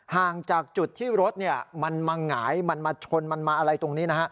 ห่างจากจุดที่รถมันมาหงายมันมาชนมันมาอะไรตรงนี้นะฮะ